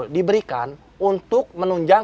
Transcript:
diberikan untuk menunjang